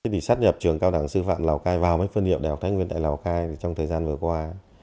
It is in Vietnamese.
vì sát nhập trường cao đẳng sư phạm lào cai vào với phân hiệu đại học thái nguyên tại lào cai trong thời gian vừa qua